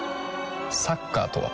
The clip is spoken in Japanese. サッカーとは？